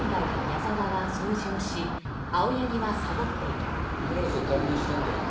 なあ村瀬退院してるんだよな？